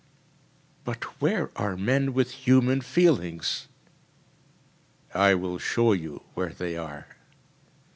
“But where are men with human feelings?‚ÄĚ “I will show you where they are.